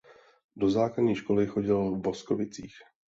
Do základní školy chodil v Boskovicích.